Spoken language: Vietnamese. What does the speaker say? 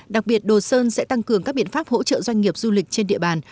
đặc biệt đồ sơn sẽ tăng cường các biện pháp hỗ trợ doanh nghiệp du lịch trên địa bàn